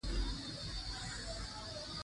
هغه هڅه وکړه چې د روحانیت پیغام وړاندې کړي.